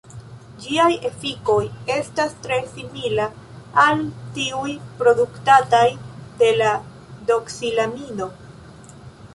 Ĝiaj efikoj estas tre simila al tiuj produktataj de la doksilamino.